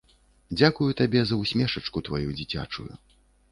Дзякую табе за ўсмешачку тваю дзіцячую.